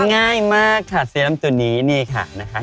ง่ายมากค่ะเสื้อน้ำตัวนี้นี่ค่ะนะคะ